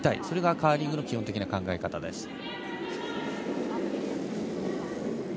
それがカーリングの基本的な考え方です。